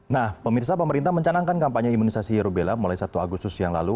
nah pemirsa pemerintah mencanangkan kampanye imunisasi rubella mulai satu agustus yang lalu